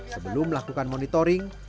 sebelum melakukan monitoring